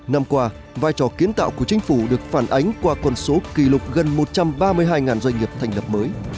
năm qua vai trò kiến tạo của chính phủ được phản ánh qua con số kỷ lục gần một trăm ba mươi hai doanh nghiệp thành lập mới